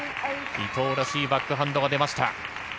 伊藤らしいバックハンドが出ました。